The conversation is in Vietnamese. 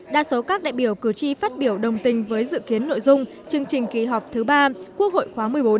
đa số các đại biểu cử tri phát biểu đồng tình với dự kiến nội dung chương trình kỳ họp thứ ba quốc hội khóa một mươi bốn